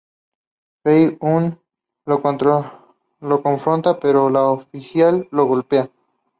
Fei-hung lo confronta pero el oficial lo golpea.